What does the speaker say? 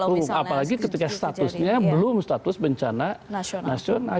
tulang punggung apalagi ketika statusnya belum status bencana nasional